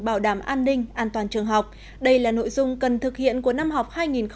bảo đảm an ninh an toàn trường học đây là nội dung cần thực hiện của năm học hai nghìn hai mươi hai nghìn hai mươi một